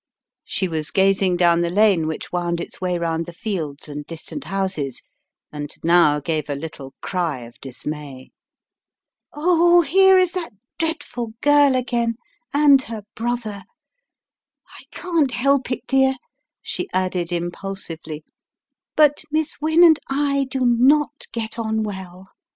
She was gazing down the lane which wound its way round the fields and distant houses and now gave a little cry of dismay. "Oh, here is that dreadful girl again and her The Plot Thickens 171 brother! I can't help it, dear/ 9 she added, impul sively, "but Miss Wynne and I do not get on well.